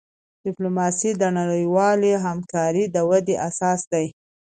ډیپلوماسي د نړیوالی همکاری د ودي اساس دی.